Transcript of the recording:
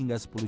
nggak beli ya